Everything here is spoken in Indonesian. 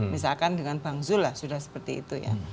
misalkan dengan bang zul lah sudah seperti itu ya